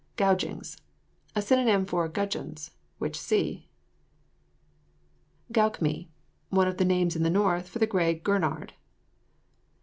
GOUGINGS. A synonym of gudgeons (which see). GOUKMEY. One of the names in the north for the gray gurnard.